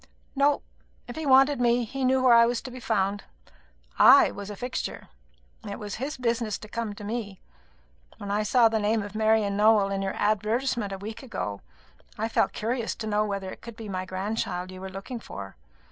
"No. If he wanted me, he knew where I was to be found. I was a fixture. It was his business to come to me. When I saw the name of Marian Nowell in your advertisement a week ago, I felt curious to know whether it could be my grandchild you were looking for.